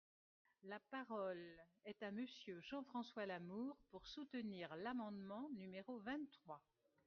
La parole est à Monsieur Jean-François Lamour, pour soutenir l’amendement numéro vingt-trois.